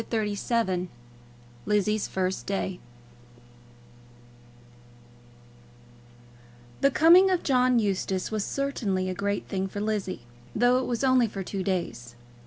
CHAPTER XXXVII Lizzie's First Day The coming of John Eustace was certainly a great thing for Lizzie, though it was only for two days.